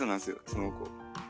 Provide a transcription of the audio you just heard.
その子。